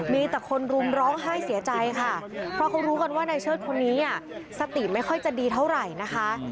มีแต่คนรุมร้องไห้เสียใจค่ะเพราะเขารู้กันว่านายเชิดคนนี้สติไม่ค่อยจะดีเท่าไหร่นะคะ